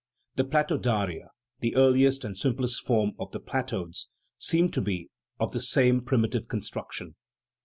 The platodaria, the earliest and simplest form of the platodes, seem to be of the same primitive construction.